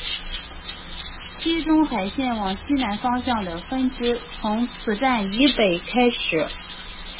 地中海线往西南方向的分支从此站以北开始。